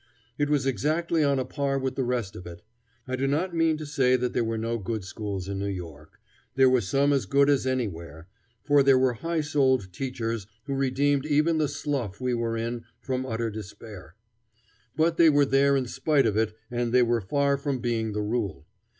It was exactly on a par with the rest of it. I do not mean to say that there were no good schools in New York. There were some as good as anywhere; for there were high souled teachers who redeemed even the slough we were in from utter despair. But they were there in spite of it and they were far from being the rule.